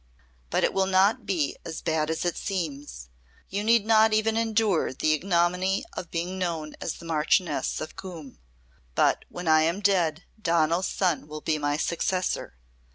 But it will not be as bad as it seems. You need not even endure the ignominy of being known as the Marchioness of Coombe. But when I am dead Donal's son will be my successor.